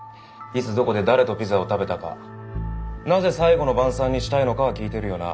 いつどこで誰とピザを食べたかなぜ最後の晩餐にしたいのかは聞いてるよな？